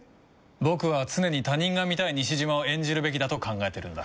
僕は常に他人が見たい西島を演じるべきだと考えてるんだ。